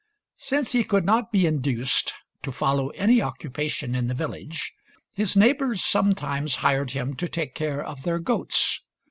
Since he could not be induced to follow any occupation in the village, his neighbors some times hired him to take care of their goats.